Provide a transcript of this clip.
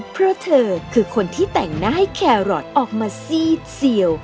เพราะเธอคือคนที่แต่งหน้าให้แครอทออกมาซีดเสี่ยว